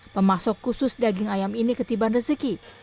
pemasok khusus daging ayam ini ketiban rezeki